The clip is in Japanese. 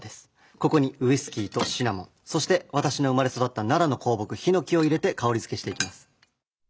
ここにウイスキーとシナモンそして私の生まれ育った奈良の香木ヒノキを入れて香りづけしていきます。